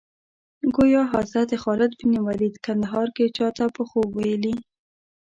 ګویا حضرت خالد بن ولید کندهار کې چا ته په خوب ویلي.